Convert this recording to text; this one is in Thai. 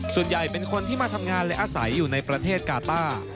ส่วนใหญ่เป็นคนที่มาทำงานและอาศัยอยู่ในประเทศกาต้า